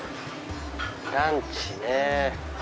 ランチね。